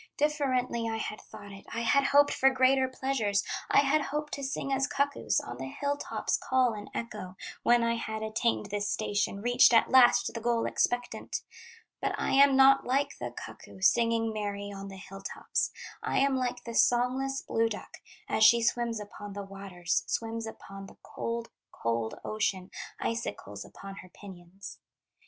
Differently I had thought it, I had hoped for greater pleasures, I had hoped to sing as cuckoos, On the hill tops call and echo, When I had attained this station, Reached at last the goal expectant; But I am not like the cuckoo, Singing, merry on the hill tops; I am like the songless blue duck, As she swims upon the waters, Swims upon the cold, cold ocean, Icicles upon her pinions.